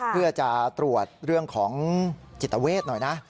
เพื่อจะตรวจเรื่องของจิตเวทหน่อยนะ